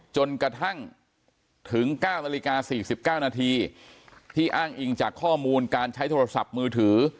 จนกระทั่งถึง๙นาฬิกา๔๙นาทีที่อ้างอิงจากข้อมูลการใช้โทรศัพท์มือถือ